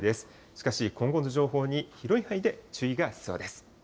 しかし、今後の情報に広い範囲で注意が必要です。